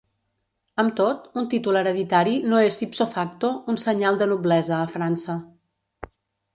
Amb tot, un títol hereditari no és "ipso facto", un senyal de noblesa a França.